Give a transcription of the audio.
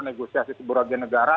negosiasi sebuah negara